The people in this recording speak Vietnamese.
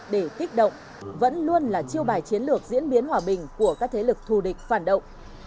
để kích động vẫn luôn là chiêu bài chiến lược diễn biến hòa bình của các thế lực thù địch phản động